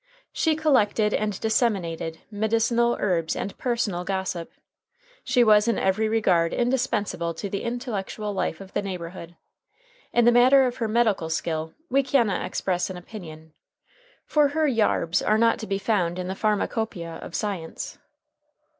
She collected and disseminated medicinal herbs and personal gossip. She was in every regard indispensable to the intellectual life of the neighborhood. In the matter of her medical skill we cannot express an opinion, for her "yarbs" are not to be found in the pharmacopoeia of science.